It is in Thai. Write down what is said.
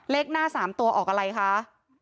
เลขหน้า๓ตัวออกอะไรคะ